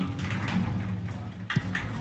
بادي انرژي د افغانستان د جغرافیوي تنوع مثال دی.